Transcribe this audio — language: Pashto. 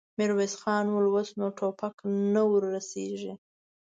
ميرويس خان وويل: اوس نو ټوپک نه ور رسېږي.